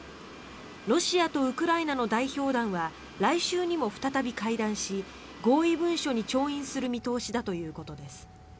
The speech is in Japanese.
ロシアとウクライナの代表団は来週にも再び会談し合意文書に調印する見通しだということです。